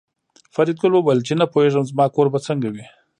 فریدګل وویل چې نه پوهېږم زما کور به څنګه وي